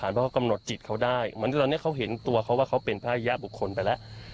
ผ่านเพราะกำหนดจิตเขาได้วันนี้เขาเห็นตัวเขาว่าเขาเป็นพระอาหญะบุคคลไปแล้ว